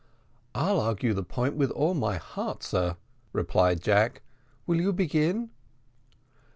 "I'll argue the point with all my heart, sir," replied Jack; "will you begin?"